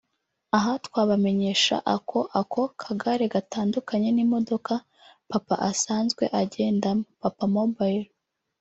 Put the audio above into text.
Aha twabamenyesha ako ako kagare gatandukanye n’imodoka Papa asanzwe agendamo (Papamobile)